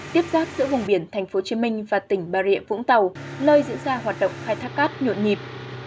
tiếp giáp giữa vùng biển tp hcm và tỉnh bà rịa vũng tàu nơi diễn ra hoạt động khai thác cát nhộn nhịp